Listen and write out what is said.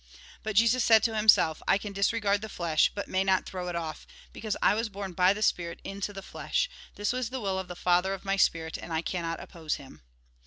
But Jesus said to himself :" I can disregard the flesh, but may not throw it off, because I was born by the spirit into the flesh. This was the will of the Father of my spirit, and I cannot oppose Him."